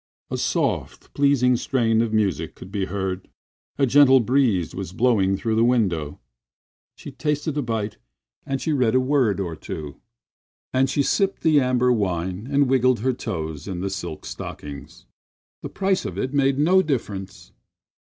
A soft, pleasing strain of music could be heard, and a gentle breeze was blowing through the window. She tasted a bite, and she read a word or two, and she sipped the amber wine and wiggled her toes in the silk stockings. The price of it made no difference.